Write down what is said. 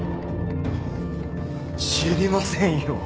知りませんよ。